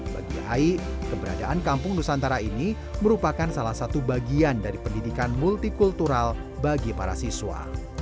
bagi ai keberadaan kampung nusantara ini merupakan salah satu bagian dari pendidikan multikultural bagi para siswa